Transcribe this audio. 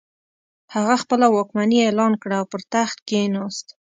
هغه خپله واکمني اعلان کړه او پر تخت کښېناست.